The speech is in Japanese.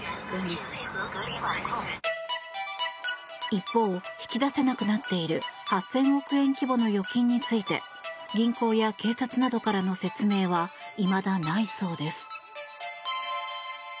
一方、引き出せなくなっている８０００億円規模の預金について銀行や警察などからの説明はいまだないそうです。